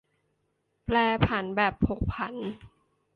แปรผันแบบผกผัน